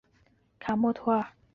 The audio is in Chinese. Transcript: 卡默图尔。